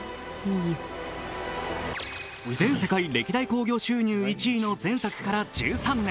全世界歴代興行収入１位の前作から１３年。